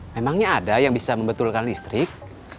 memangnya ada yang bisa membetulkan listrik